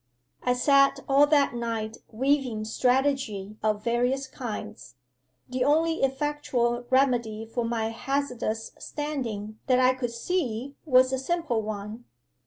'I sat all that night weaving strategy of various kinds. The only effectual remedy for my hazardous standing that I could see was a simple one.